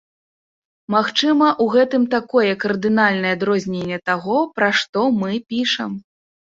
Магчыма, у гэтым такое кардынальнае адрозненне таго, пра што мы пішам.